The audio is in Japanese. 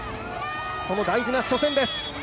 その大事な初戦です。